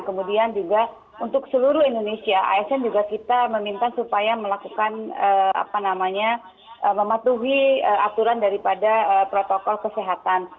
kemudian juga untuk seluruh indonesia asn juga kita meminta supaya melakukan apa namanya mematuhi aturan daripada protokol kesehatan